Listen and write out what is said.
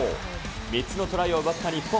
３つのトライを奪った日本。